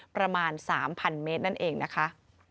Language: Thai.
ประมาณ๓๐๐เมตรนั่นเองนะคะ